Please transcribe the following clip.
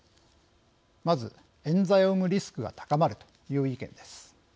まずえん罪を生むリスクが高まるという意見です。